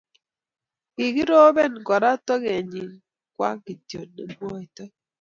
kikiroben kora togochi kwak kito nemwoito